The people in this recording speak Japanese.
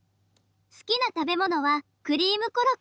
好きな食べ物はクリームコロッケです。